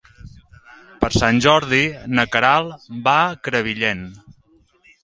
Per Sant Jordi na Queralt va a Crevillent.